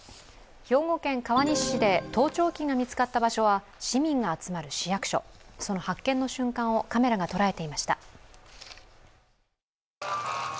兵庫県川西市で盗聴器が見つかった場所は市民が集まる市役所、その発見の瞬間をカメラが捉えていました。